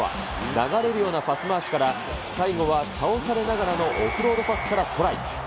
流れるようなパス回しから、最後は倒されながらのオフロードパスからのトライ。